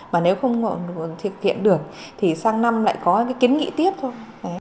mà nếu không thực hiện được thì sang năm lại có cái kiến nghị tiếp thôi